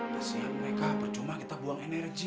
pas yang mereka percuma kita buang energi